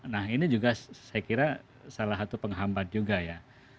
nah ini juga saya kira salah satu penghambat juga ya